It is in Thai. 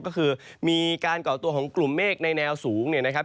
ก็คือมีการก่อตัวของกลุ่มเมฆในแนวสูงเนี่ยนะครับ